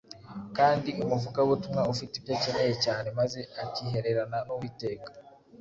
kandi umuvugabutumwa ufite ibyo akeneye cyane maze akihererana n’Uwiteka,